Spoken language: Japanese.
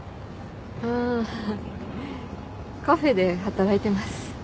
ああカフェで働いてます。